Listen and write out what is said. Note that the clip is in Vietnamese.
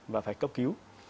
và phải cấp cứu